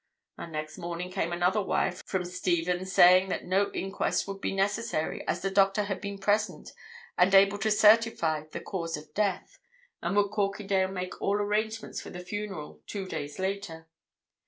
And next morning came another wire from Stephen saying that no inquest would be necessary, as the doctor had been present and able to certify the cause of death, and would Corkindale make all arrangements for the funeral two days later.